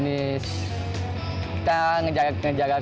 kita menjaga kecepatan